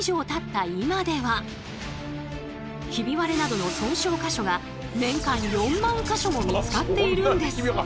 ヒビ割れなどの損傷箇所が年間４万か所も見つかっているんです。